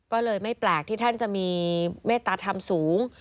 ก็เลยไม่แปลกที่ท่านจะมีเมตตาธรรมสูง